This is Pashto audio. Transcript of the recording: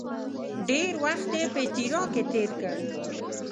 ډېر وخت یې په تیراه کې تېر کړ.